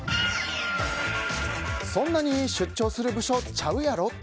「そんなに出張する部署ちゃうやろ！」